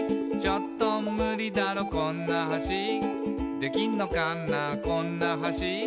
「ちょっとムリだろこんな橋」「できんのかなこんな橋」